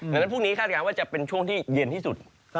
ดังนั้นพรุ่งนี้คาดการณ์ว่าจะเป็นช่วงที่เย็นที่สุด